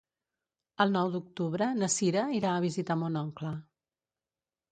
El nou d'octubre na Cira irà a visitar mon oncle.